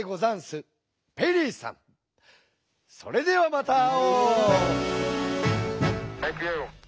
それではまた会おう！